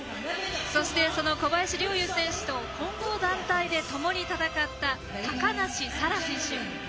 そして、その小林陵侑選手と混合団体で、ともに戦った高梨沙羅選手。